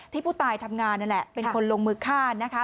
ผู้ตายทำงานนั่นแหละเป็นคนลงมือฆ่านะคะ